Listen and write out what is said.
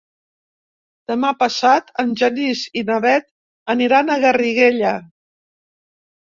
Demà passat en Genís i na Bet aniran a Garriguella.